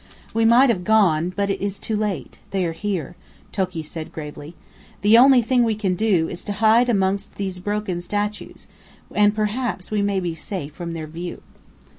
"We might have gone; but it is too late. They are here," Toki said gravely. "The only thing we can do is to hide amongst these broken statues, and perhaps we may be safe from their view."